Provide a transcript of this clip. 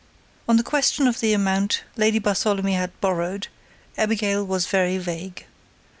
On the question of the amount Lady Bartholomew had borrowed, Abigail was very vague.